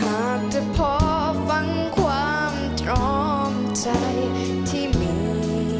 หากเธอพอฟังความทรอมใจที่มี